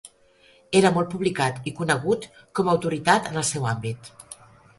Era molt publicat i conegut com a autoritat en el seu àmbit.